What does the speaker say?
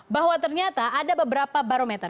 bahwa ternyata ada beberapa barometer